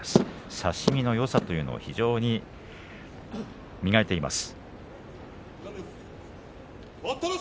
差し身のよさを非常に磨いています。